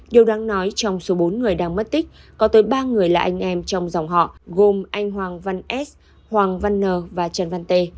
điều đáng nói trong số bốn người đang mất tích có tới ba người là anh em trong dòng họ gồm anh hoàng văn s hoàng văn nờ và trần văn tê